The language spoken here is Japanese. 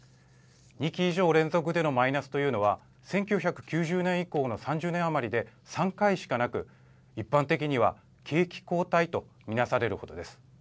２期以上連続でのマイナスというのは１９９０年以降の３０年余りで３回しかなく一般的には、景気後退と見なされる程です。